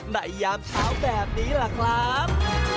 ในยามเช้าแบบนี้แหละครับ